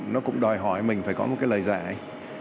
nó cũng đòi hỏi mình phải có một cái lời giải